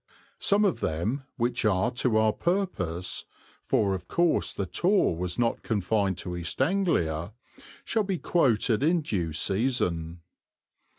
Some of them which are to our purpose for of course the tour was not confined to East Anglia shall be quoted in due season.